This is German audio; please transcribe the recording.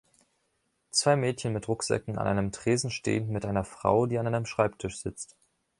Zwei Mädchen mit Rucksäcken an einem Tresen stehend mit einer Frau, die an einem Schreibtisch sitzt.